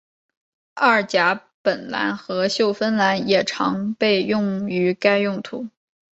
二甲苯蓝和溴酚蓝也常被用于该用途。